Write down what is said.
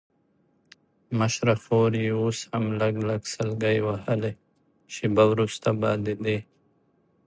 مشره خور یې اوس هم لږ لږ سلګۍ وهلې، شېبه وروسته به د دې.